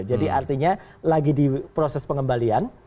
jadi artinya lagi di proses pengembalian